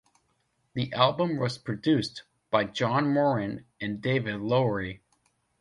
The album was produced by John Morand and David Lowery.